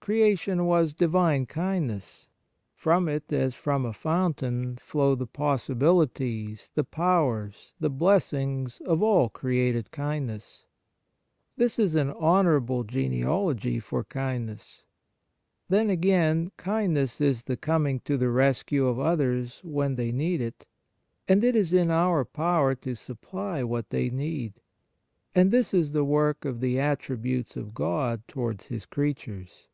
Creation was Divine kind ness. From it, as from a fountain, flow the possibilities, the powers, the blessings, 2 — 2 20 Kindness of all created kindness. This is an honour able genealogy for kindness. Then, again, kindness is the coming to the rescue of others when they need it, and it is in our power to supply what they need, and this is the w^ork of the attributes of God to wards His creatures.